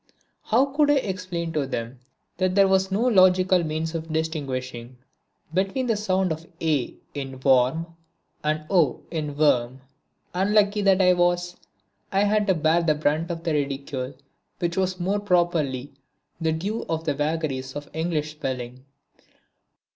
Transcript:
How could I explain to them that there was no logical means of distinguishing between the sound of a in warm and o in worm. Unlucky that I was, I had to bear the brunt of the ridicule which was more properly the due of the vagaries of English spelling.